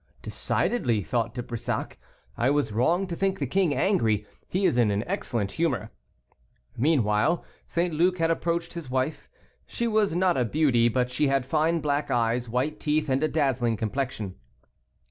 "Decidedly," thought De Brissac, "I was wrong to think the king angry; he is in an excellent humor." Meanwhile St. Luc had approached his wife. She was not a beauty, but she had fine black eyes, white teeth, and a dazzling complexion.